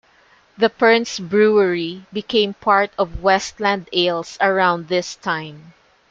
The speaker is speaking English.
The Pearn's Brewery became part of Westland Ales around this time.